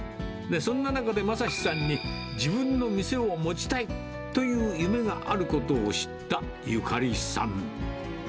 そんな中で昌史さんに、自分の店を持ちたいという夢があることを知ったゆかりさん。